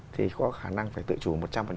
thì có khả năng phải tự chủ một trăm linh